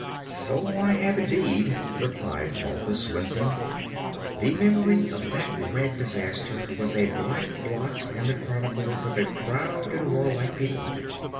'So I have indeed,' replied Balthus, wincing. The memory of that red disaster was a black blot in the chronicles of a proud and war like people.